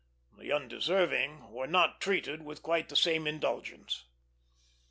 The undeserving were not treated with quite the same indulgence.